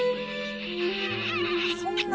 「そんな」